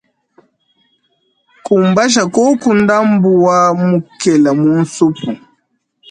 Kumbaja koku ndambu wa mukela mu nsupu.